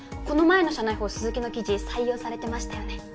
この前の社内報鈴木の記事採用されてましたよね？